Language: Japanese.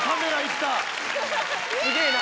すげぇな。